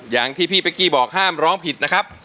อย่างที่พี่เป๊กกี้บอกห้ามร้องผิดนะครับ